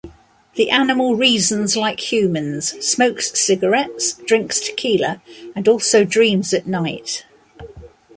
The animal reasons like humans, smokes cigarettes, drinks tequila and also dreams at night.